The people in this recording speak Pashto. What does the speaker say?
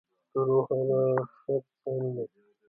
• دروغ د هر شر پیل دی.